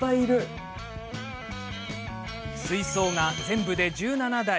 水槽が全部で１７台。